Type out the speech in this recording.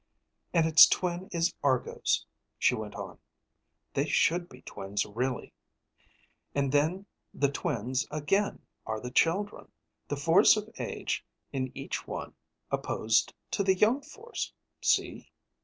"And it's twin is Argo's," she went on. "They should be twins, really. And then the twins again are the children. The force of age in each one opposed to the young force. See?"